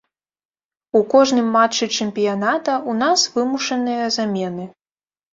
У кожным матчы чэмпіяната ў нас вымушаныя замены.